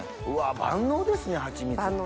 万能ですねハチミツって。